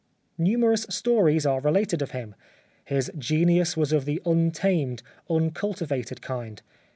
Numerous stories are related of him. His genius was of the untamed, uncultivated kind.